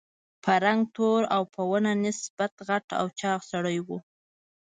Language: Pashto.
په رنګ تور او په ونه نسبتاً غټ او چاغ سړی و.